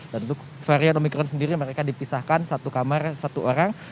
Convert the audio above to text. dan untuk varian omikron sendiri mereka dipisahkan satu kamar satu orang